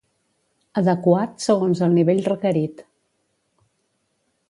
Adequat segons el nivell requerit.